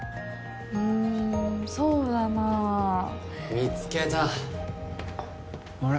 うんそうだなあ見つけたあれ？